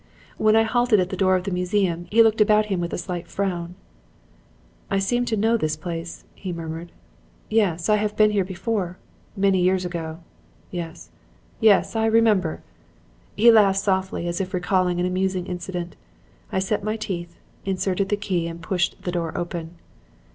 When I halted at the door of the museum, he looked about him with a slight frown. "'I seem to know this place,' he murmured. 'Yes, I have been here before; many years ago. Yes, yes; I remember.' "He laughed softly as if recalling an amusing incident. I set my teeth, inserted the key and pushed the door open.